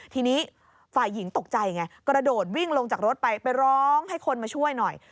ทีนี้ฝ่ายหญิงตกใจไงกระโดดวิ่งลงจากรถไปไปร้องให้คนมาช่วยหน่อย